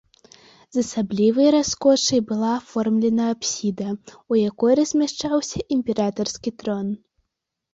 З асаблівай раскошай была аформлена апсіда, у якой размяшчаўся імператарскі трон.